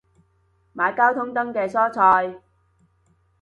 買交通燈嘅蔬菜